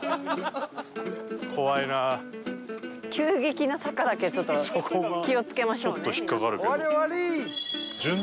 急激な坂だけちょっと気を付けましょうね皆さん。